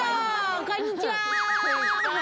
こんにちは。